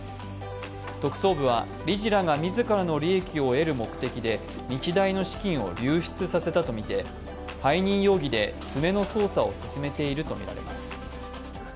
特捜部は理事らが自らの利益を得る目的で日大の資金を流出させたとみて、背任容疑で詰めの捜査を進めているとみられます。